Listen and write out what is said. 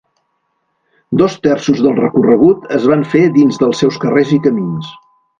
Dos terços del recorregut es van fer dins dels seus carres i camins.